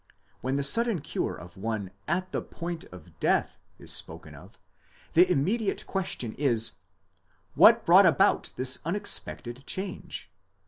When the sudden cure of one at the point of death is spoken of, the immediate question is, What brought about this unexpected change?